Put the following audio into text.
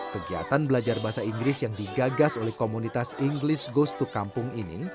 kegiatan belajar bahasa inggris yang digagas oleh komunitas inggris goestu kampung ini